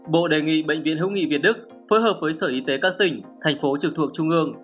bộ đề nghị bệnh viện hữu nghị việt đức phối hợp với sở y tế các tỉnh thành phố trực thuộc trung ương